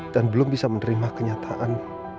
dan belum bisa menerima kenyataan